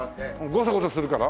ゴソゴソするから？